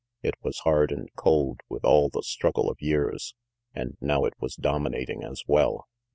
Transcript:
It was hard and cold with all the struggle of years, and now it was dominating as well.